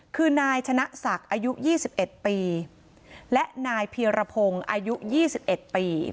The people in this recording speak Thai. คือนายชนะศักดิ์อายุยี่สิบเอ็ดปีและนายเพียรพงศ์อายุยี่สิบเอ็ดปี